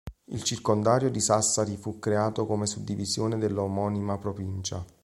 Il circondario di Sassari fu creato come suddivisione dell'omonima provincia.